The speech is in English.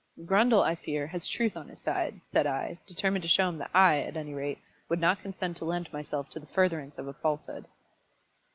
"Grundle, I fear, has truth on his side," said I, determined to show him that I, at any rate, would not consent to lend myself to the furtherance of a falsehood.